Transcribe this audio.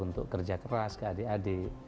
untuk kerja keras ke adik adik